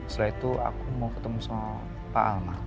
setelah itu aku mau ketemu sama pak almar